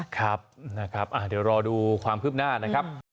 ครับนะครับเดี๋ยวรอดูความคืบหน้านะครับ